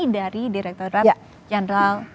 dari direkturat general pajak